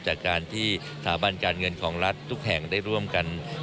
จากการที่สถาบันการเงินของรัฐทุกแห่งได้ร่วมกัน